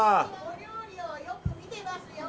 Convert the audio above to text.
お料理の、よく見てますよ。